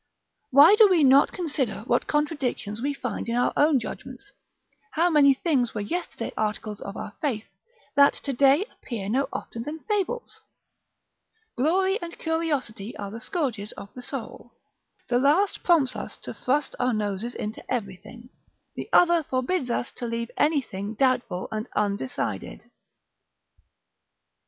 Why do we not consider what contradictions we find in our own judgments; how many things were yesterday articles of our faith, that to day appear no other than fables? Glory and curiosity are the scourges of the soul; the last prompts us to thrust our noses into everything, the other forbids us to leave anything doubtful and undecided.